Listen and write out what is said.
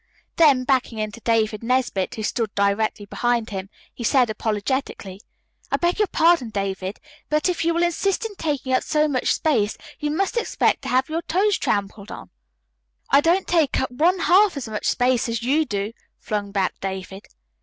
Then backing into David Nesbit, who stood directly behind him, he said apologetically: "I beg your pardon, David, but if you will insist in taking up so much space you must expect to have your toes trampled upon." "I don't take up one half as much space as you do," flung back David.